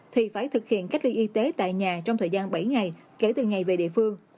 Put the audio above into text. thì phải thực hiện cách ly y tế tại nhà trong thời gian bảy ngày kể từ ngày về địa phương